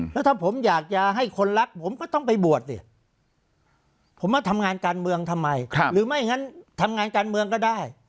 แล้วถ้าผมอยากจะให้คนรักผมก็ต้องไปบวชสิผมมาทำงานการเมืองทำไมหรือไม่งั้นทำงานการเมืองก็ได้